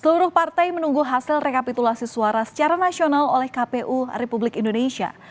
seluruh partai menunggu hasil rekapitulasi suara secara nasional oleh kpu republik indonesia